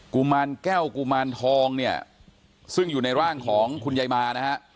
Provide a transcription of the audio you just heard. กุมารแก้วกุมารทองเนี่ยซึ่งอยู่ในร่างของคุณยายมานะฮะ